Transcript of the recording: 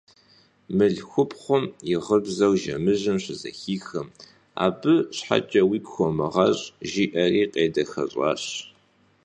Mılhxupxhum yi ğıbzer jjemıjım şızexixım: – Abı şheç'e vuigu xomığeş', – jji'eri khêdexeş'aş.